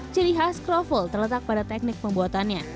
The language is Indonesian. ciri khas kroffel terletak pada teknik pembuatannya